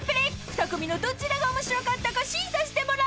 ［２組のどちらが面白かったか審査してもらいます］